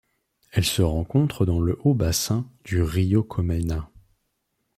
Elle se rencontre dans le haut bassin du río Comaina.